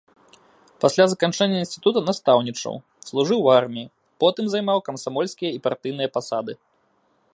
Пасля заканчэння інстытута настаўнічаў, служыў у арміі, потым займаў камсамольскія і партыйныя пасады.